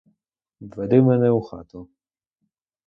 Веди мене у хату.